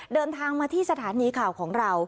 เดินทางมาที่สถานีข่าวของเรา